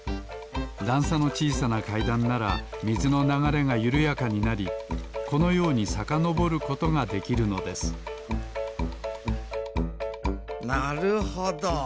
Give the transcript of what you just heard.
だんさのちいさなかいだんならみずのながれがゆるやかになりこのようにさかのぼることができるのですなるほど。